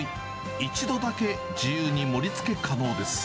１度だけ自由に盛りつけ可能です。